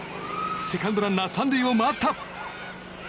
セカンドランナー３塁を回った。